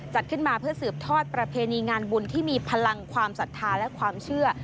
จัดขึ้นมาเพื่อสืบทอดประเพณีงานบุญที่มีพลังความศรัทธาและความเชื่อ